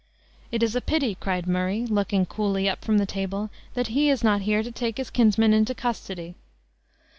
"It is a pity," cried Murray, looking coolly up from the table, "that he is not here to take his kinsman into custody."